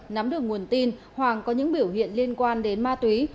nắm được nguồn tin hoàng có những biểu hiện liên quan đến ma túy